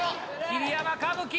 桐山歌舞伎！